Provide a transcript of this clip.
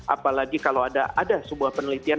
apalagi kalau ada sebuah penelitian